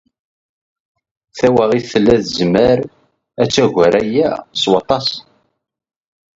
Tawaɣit tella tezmer ad tagar aya s waṭas.